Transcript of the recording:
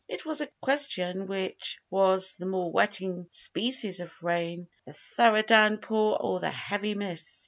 It was a question which was the more wetting species of rain the thorough down pour or the heavy mist.